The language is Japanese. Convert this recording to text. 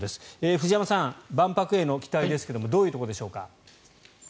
藤山さん、万博への期待ですがどういうところでしょうか。